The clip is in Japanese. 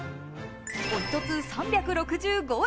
お一つ３６５円。